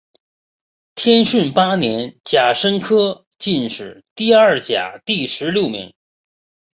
天顺八年甲申科进士第二甲第十六名。